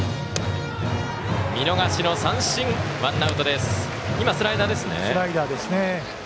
見逃し三振、ワンアウト。